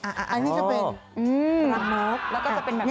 อันนี่ก็เป็น